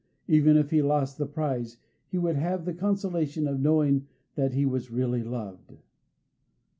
Even if he lost the prize, he would have the consolation of knowing that he was really loved.